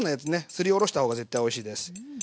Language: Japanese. すりおろした方が絶対おいしいです。